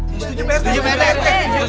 setuju pak rt